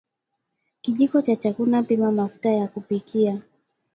kijiko cha chakula pima mafuta ya kupikia